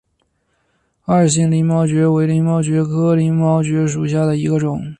二型鳞毛蕨为鳞毛蕨科鳞毛蕨属下的一个种。